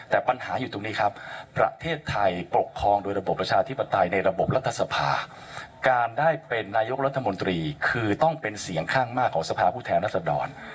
แต่ปัญหาอยู่ตรงนี้ครับประเทศไทยปกครองโดยระบบประชาธิปไตยในระบบรัฐสภาการได้เป็นนายกรัฐมนตรีคือต้องเป็นเสียงข้างมากของสภาพผู้แทนรัศดร